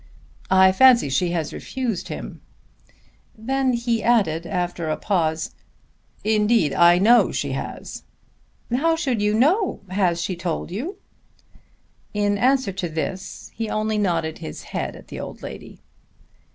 "I fancy she has refused him." Then he added after a pause, "Indeed I know she has." "How should you know? Has she told you?" In answer to this he only nodded his head at the old lady.